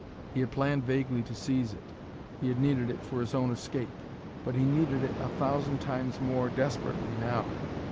He had planned vaguely to seize it; he had needed it for his own escape; but he needed it a thousand times more desperately now.